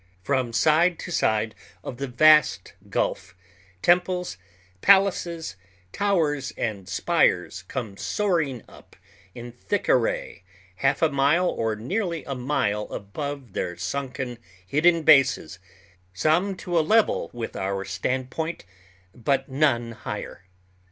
From side to side of the vast gulf, temples, palaces, towers, and spires come soaring up in thick array half a mile or nearly a mile above their sunken, hidden bases, some to a level with our standpoint, but none higher.